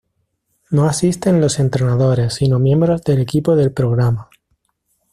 No asisten los entrenadores sino miembros del equipo del Programa.